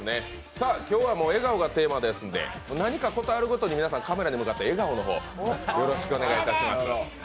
今日は笑顔がテーマですので、何かことあるごとに皆さん、カメラに向かって笑顔の方よろしくお願いします。